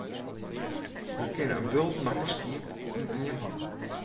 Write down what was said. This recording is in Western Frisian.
Der kinne in bult makke skiep yn ien hok.